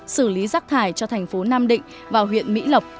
xử lý rác thải cho thành phố nam định và huyện mỹ lộc